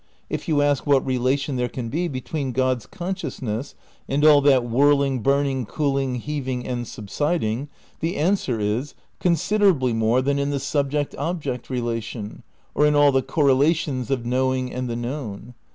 If you ask what relation there can be between God's consciousness and all that whirling, burning, cooling, heaving and subsiding, the answer is : Considerably more than in the subject ob ject relation, or in all the correlations of knowing and the known.